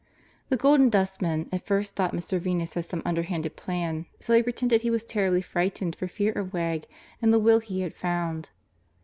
The Golden Dustman at first thought Mr. Venus had some underhanded plan, so he pretended he was terribly frightened for fear of Wegg and the will he had found.